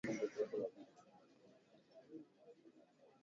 Nyanya Ukubwa nne